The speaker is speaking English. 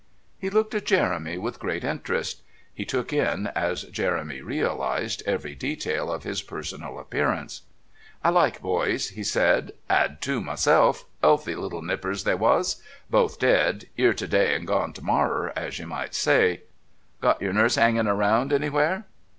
He looked at Jeremy with great interest; he took in, as Jeremy realised, every detail of his personal appearance. "I like boys," he said. "'Ad two myself 'ealthy little nippers they was. Both dead 'ere to day and gone to morrer, as you might say. Got your nurse 'anging around anywhere?"